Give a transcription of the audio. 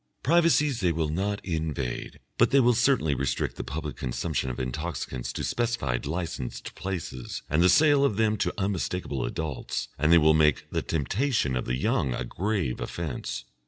Privacies they will not invade, but they will certainly restrict the public consumption of intoxicants to specified licensed places and the sale of them to unmistakable adults, and they will make the temptation of the young a grave offence.